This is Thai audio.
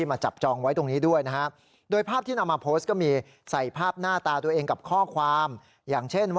ซึ่งบอกว่าบรรยากาศหน้าเวทย์